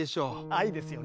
愛ですよね。